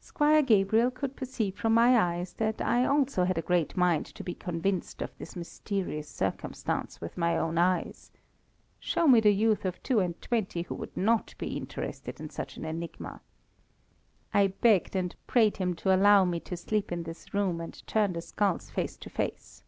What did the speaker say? Squire Gabriel could perceive from my eyes that I also had a great mind to be convinced of this mysterious circumstance with my own eyes. Show me the youth of two and twenty who would not be interested in such an enigma! I begged and prayed him to allow me to sleep in this room, and turn the skulls face to face.